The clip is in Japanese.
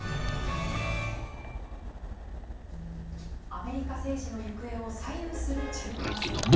アメリカ政治の行方を左右する中間選挙。